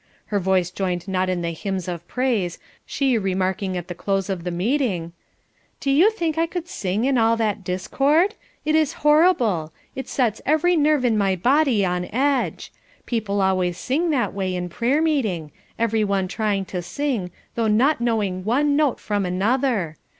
Her voice joined not in the hymns of praise, she remarking at the close of the meeting: "Do you think I could sing in all that discord? It is horrible; it sets every nerve in my body on edge. People always sing that way in prayer meeting, every one trying to sing, though not knowing one note from another.